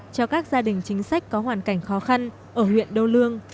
cho các gia đình chính sách có hoàn cảnh khó khăn ở huyện đô lương